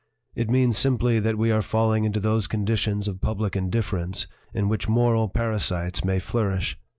It means simply that we are falling into those conditions of public indifference in which moral parasites may flourish.